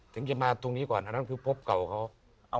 ถึงจะมาตรงนี้ก่อนอันนั้นคือพบเก่าเขา